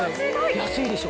安いでしょ？